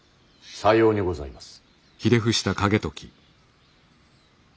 さようにございます。